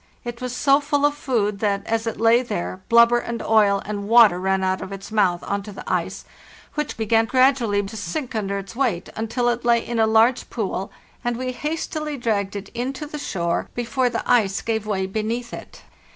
It was so full of food that, as it lay there, blub ber and oil and water ran out of its mouth on to the ice, Which began gradually to sink under its weight, un til it lay in a large pool, and we hastily dragged it in to the shore, before the ice gave way beneath it.